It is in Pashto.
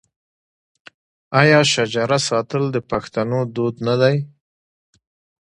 آیا شجره ساتل د پښتنو دود نه دی؟